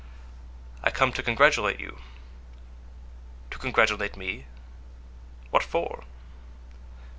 "I come to congratulate you." "To congratulate me—what for?"